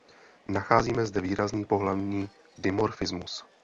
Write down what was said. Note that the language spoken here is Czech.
Nacházíme zde výrazný pohlavní dimorfismus.